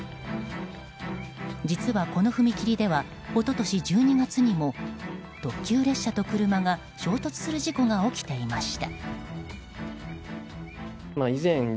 実は、この踏切では一昨年１２月にも特急列車と車が衝突する事故が起きていました。